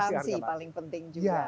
toleransi paling penting juga